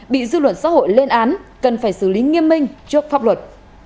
bị dư luận xã hội lên án cần phải xử lý nghiêm minh trước pháp luật